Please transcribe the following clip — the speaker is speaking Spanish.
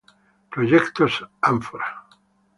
Proyectos Ánfora.